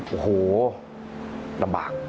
โอ้โหลำบาก